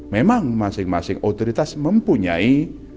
memang masing masing otoritas mempunyai